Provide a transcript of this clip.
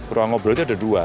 ruang ngobrolnya ada dua